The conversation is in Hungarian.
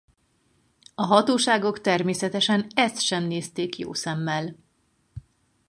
A hatóságok természetesen ezt sem nézték jó szemmel.